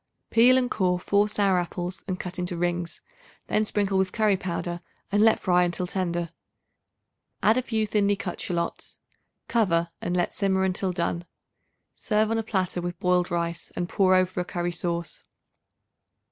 Peel and core 4 sour apples and cut into rings; then sprinkle with curry powder and let fry until tender. Add a few thinly cut shallots. Cover and let simmer until done. Serve on a platter with boiled rice and pour over a curry sauce.